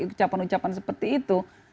ucapan ucapan seperti itu